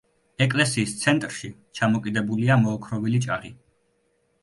ეკლესიის ცენტრში ჩამოკიდებულია მოოქროვილი ჭაღი.